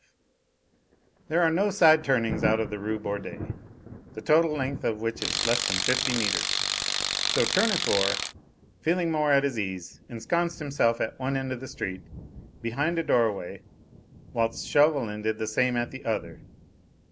V There are no side turnings out of the Rue Bordet, the total length of which is less than fifty metres; so Tournefort, feeling more at his ease, ensconced himself at one end of the street, behind a doorway, whilst Chauvelin did the same at the other.